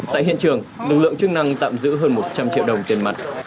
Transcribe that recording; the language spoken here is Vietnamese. tại hiện trường lực lượng chức năng tạm giữ hơn một trăm linh triệu đồng tiền mặt